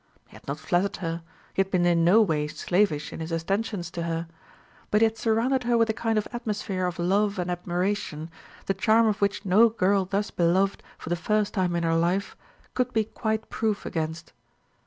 He had not flattered her, he had been in no way slavish in his attentions to her; but he had surrounded her with a kind of atmosphere of love and admiration, the charm of which no girl thus beloved for the first time in her life could be quite proof against.